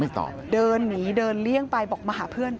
ตอบเดินหนีเดินเลี่ยงไปบอกมาหาเพื่อน